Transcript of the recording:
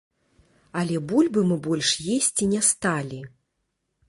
Але бульбы мы больш есці не сталі.